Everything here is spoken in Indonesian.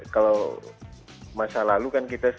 kalau masa lalu kan kita